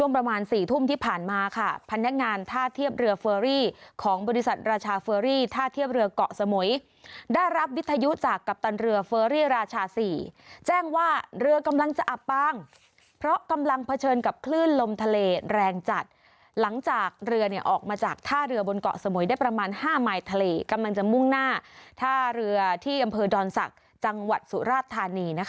ประมาณสี่ทุ่มที่ผ่านมาค่ะพนักงานท่าเทียบเรือเฟอรี่ของบริษัทราชาเฟอรี่ท่าเทียบเรือเกาะสมุยได้รับวิทยุจากกัปตันเรือเฟอรี่ราชาสี่แจ้งว่าเรือกำลังจะอับปางเพราะกำลังเผชิญกับคลื่นลมทะเลแรงจัดหลังจากเรือเนี้ยออกมาจากท่าเรือบนเกาะสมุยได้ประมาณห้าไมล์ทะเลกำลั